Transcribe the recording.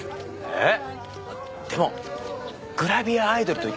えっ？